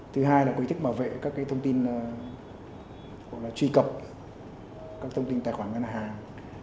thứ hai là ký thức bảo vệ các cái thông tin chuy cập các thông tin tài khoản ngân hàng